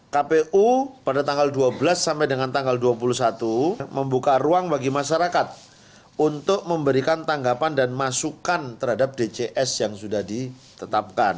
kpu pada tanggal dua belas sampai dengan tanggal dua puluh satu membuka ruang bagi masyarakat untuk memberikan tanggapan dan masukan terhadap dcs yang sudah ditetapkan